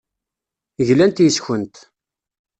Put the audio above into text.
Glant yes-kent.